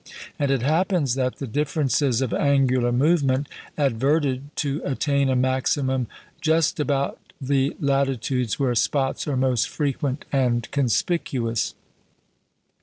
And it happens that the differences of angular movement adverted to attain a maximum just about the latitudes where spots are most frequent and conspicuous.